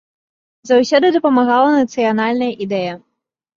Заўсёды дапамагала нацыянальная ідэя.